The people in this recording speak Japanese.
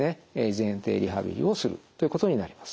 前庭リハビリをするということになります。